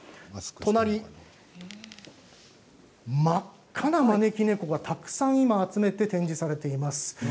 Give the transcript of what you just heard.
隣、真っ赤な招き猫がたくさん今集めて展示されています。